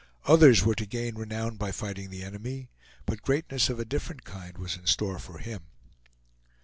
Others were to gain renown by fighting the enemy; but greatness of a different kind was in store for him.